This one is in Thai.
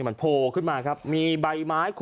มันโผล่ขึ้นมาครับมีใบไม้